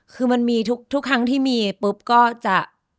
คือมันมีทุกครั้งที่มีปุ๊บก็จะ